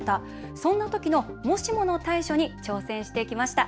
そんなときのもしもの対処に挑戦してきました。